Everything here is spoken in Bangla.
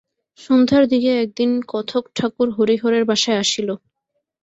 সন্ধ্যার দিকে একদিন কথকঠাকুর হরিহরের বাসায় আসিল।